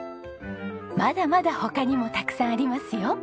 まだまだ他にもたくさんありますよ。